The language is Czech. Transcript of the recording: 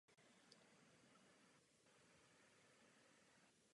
Vítězem turnaje se po čtrnácté stala reprezentace Ruska.